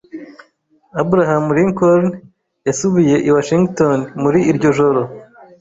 Abraham Lincoln yasubiye i Washington muri iryo joro.